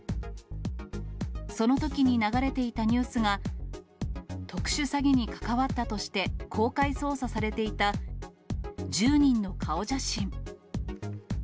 そのときに流れていたニュースが、特殊詐欺に関わったとして公開捜査されていた１０人の顔写真。